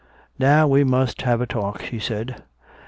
"Now we must have a talk," she said.